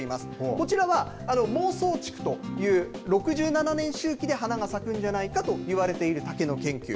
こちらはモウソウチクという６７年周期で花が咲くんじゃないかといわれている竹の研究。